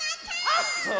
あっ！